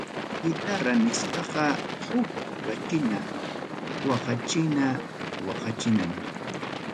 Guitarra nisqaqa huk rachina waqachina waqachinam.